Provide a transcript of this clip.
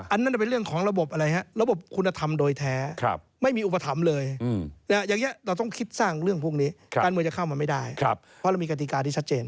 อันนั้นเป็นเรื่องของระบบอะไรฮะระบบคุณธรรมโดยแท้ไม่มีอุปถัมภ์เลยอย่างนี้เราต้องคิดสร้างเรื่องพวกนี้การเมืองจะเข้ามาไม่ได้เพราะเรามีกติกาที่ชัดเจน